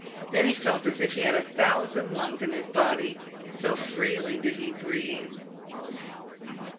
Then he felt as if he had a thousand lungs in his body, so freely did be breathe.